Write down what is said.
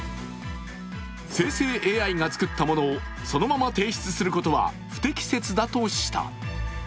生成ＡＩが作ったものをそのまま提出することは不適切だとした。